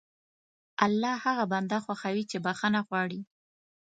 الله هغه بنده خوښوي چې بښنه غواړي.